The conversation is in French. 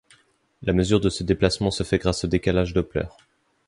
La mesure de ce déplacement se fait grâce au décalage Doppler.